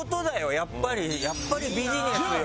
やっぱりやっぱりビジネスよ。